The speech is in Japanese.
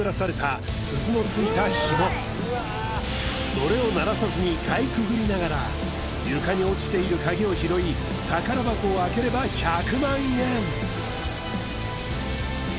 それを鳴らさずにかいくぐりながら床に落ちている鍵を拾い宝箱を開ければ１００万円！